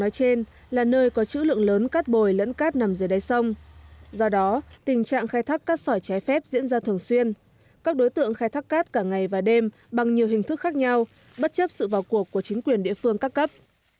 ông tới không xuất trình bất cứ một giấy tờ gì liên quan đến việc cắt sỏi trái phép và tiến hành xử lý theo quy định của pháp luật